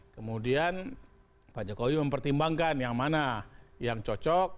kemudian pak jokowi mempertimbangkan yang mana yang cocok